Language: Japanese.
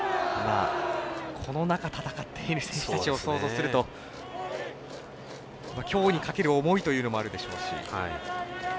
この中、戦っている選手たちを想像すると今日にかける思いというのもあるでしょうし。